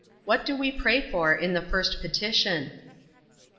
What do we pray for in the first petition?